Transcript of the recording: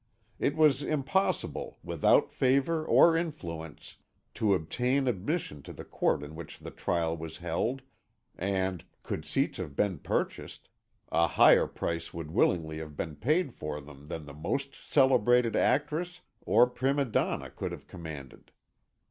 It was impossible, without favour or influence, to obtain admission to the court in which the trial was held, and, could seats have been purchased, a higher price would willingly have been paid for them than the most celebrated actress or prima donna could have commanded.